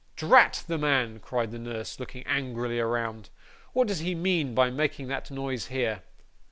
'Drat the man!' cried the nurse, looking angrily around. 'What does he mean by making that noise here?